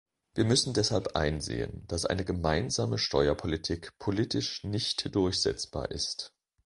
Wir müssen deshalb einsehen, dass eine gemeinsame Steuerpolitik politisch nicht durchsetzbar ist.